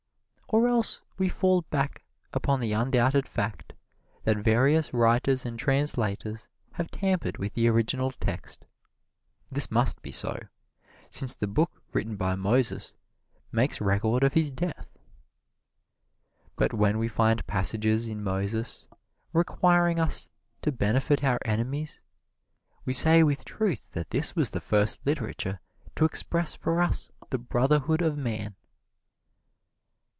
Or else we fall back upon the undoubted fact that various writers and translators have tampered with the original text this must be so, since the book written by Moses makes record of his death. But when we find passages in Moses requiring us to benefit our enemies, we say with truth that this was the first literature to express for us the brotherhood of man.